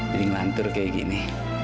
jadi ngelantur kayak gini